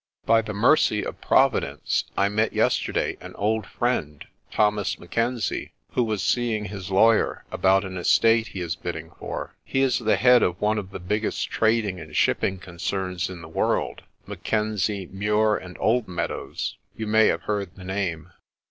By the mercy of Providence I met yesterday an old friend, Thomas Mackenzie, who was seeing his lawyer about an estate he is bidding for. He is the head of one of the biggest trading and shipping concerns in the world Mackenzie, Mure, and Oldmeadows you may have heard the name.